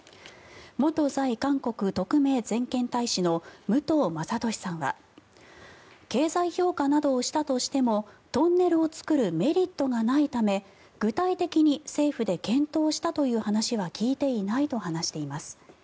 元在韓国特命全権大使の武藤正敏さんは経済評価などをしたとしてもトンネルを作るメリットがないため具体的に政府で検討したという話は聞いていないと話しています。